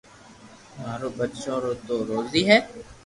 ماري ٻچو ري تو روزي ھي